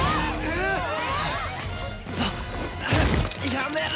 やめろ！